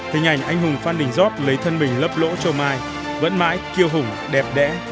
hình ảnh anh hùng phan đình giót lấy thân mình lấp lỗ châu mai vẫn mãi kiêu hùng đẹp đẽ